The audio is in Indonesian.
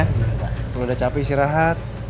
kalau udah capek sih rahat